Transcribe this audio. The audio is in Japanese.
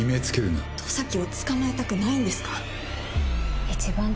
十崎を捕まえたくないんですか。